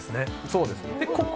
そうです。